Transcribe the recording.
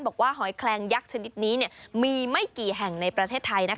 บอกว่าหอยแคลงยักษ์ชนิดนี้เนี่ยมีไม่กี่แห่งในประเทศไทยนะคะ